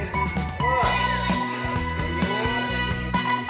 ดูอยู่นิดนิด